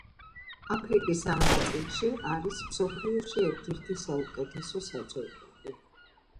აფრიკის ამ ნაწილში არის მსოფლიოში ერთ-ერთი საუკეთესო საძოვრები.